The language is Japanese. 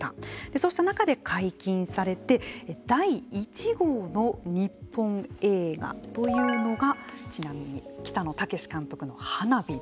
そうした中で解禁されて第１号の日本映画というのがちなみに北野武監督の「ＨＡＮＡ−ＢＩ」